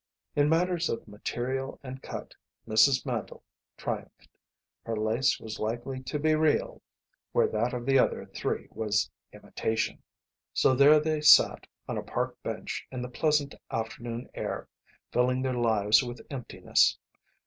In matters of material and cut Mrs. Mandle triumphed. Her lace was likely to be real where that of the other three was imitation. So there they sat on a park bench in the pleasant afternoon air, filling their lives with emptiness.